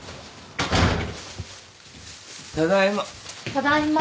ただいま。